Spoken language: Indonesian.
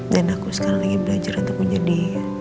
dan aku sekarang lagi belajar untuk menjadi